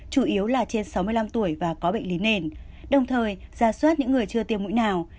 chủ yếu là trên sáu mươi năm tuổi và có bệnh lý nền đồng thời ra soát những người chưa tiêm mũi nào